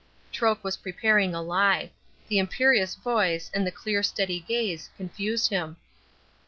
Troke was preparing a lie. The imperious voice, and the clear, steady gaze, confused him.